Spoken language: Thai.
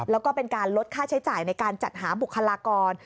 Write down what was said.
แล้วก็เป็นการลดค่าใช้จ่ายในการจัดหาบุคลากร